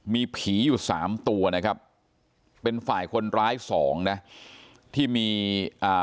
มีผีอยู่สามตัวนะครับเป็นฝ่ายคนร้ายสองนะที่มีอ่า